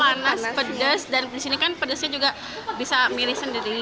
panas pedas dan disini kan pedasnya juga bisa milih sendiri